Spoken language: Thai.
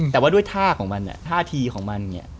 แต่ว่าด้วยท่าของมันท่าทีของมันเนี่ย